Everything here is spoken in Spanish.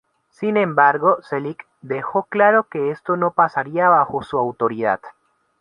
Sin embargo, Selig dejó claro que esto no pasaría bajo su autoridad.